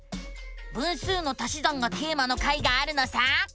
「分数の足し算」がテーマの回があるのさ！